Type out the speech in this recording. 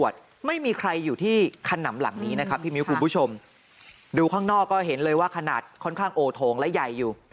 ดูข้างนอกก็เห็นเลยว่าขนาดค่อนข้างโอโถงและใหญ่อยู่